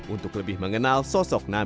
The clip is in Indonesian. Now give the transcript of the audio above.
untuk lebih mengenal sosoknya